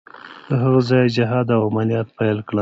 له هغه ځایه یې جهاد او عملیات پیل کړل.